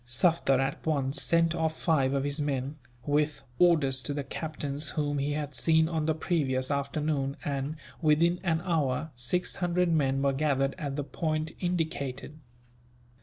Sufder at once sent off five of his men, with orders to the captains whom he had seen on the previous afternoon and, within an hour, six hundred men were gathered at the point indicated.